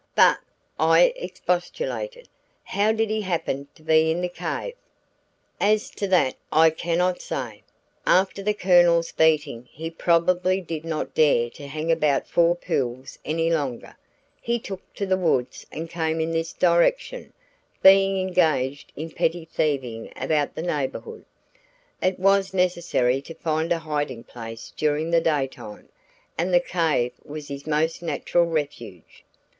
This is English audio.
'" "But," I expostulated, "how did he happen to be in the cave?" "As to that I cannot say. After the Colonel's beating he probably did not dare to hang about Four Pools any longer. He took to the woods and came in this direction; being engaged in petty thieving about the neighborhood, it was necessary to find a hiding place during the daytime and the cave was his most natural refuge.